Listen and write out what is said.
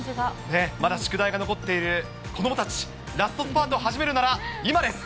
まだ宿題が残っている子どもたち、ラストスパートを始めるなら今です。